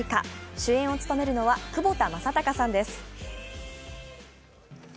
主演を務めるのは、窪田正孝さんです。